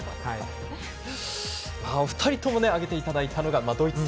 お二人とも挙げていただいたのがドイツ戦。